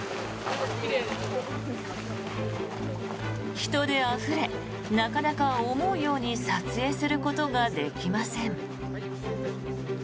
人であふれなかなか思うように撮影することができません。